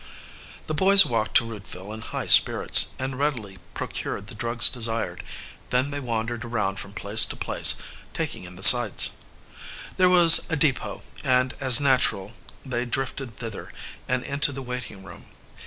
The boys walked to Rootville in high spirits, and readily procured the drugs desired, then they wandered around from place to place, taking in the sights. There was a depot, and as natural they drifted thither, and into the waiting room.